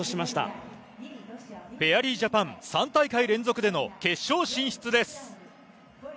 フェアリージャパン、３大会連続での決勝進出です。